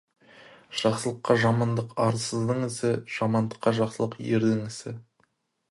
Жақсылыққа жамандық — арсыздың ісі, жамандыққа жақсылық — ердің ісі.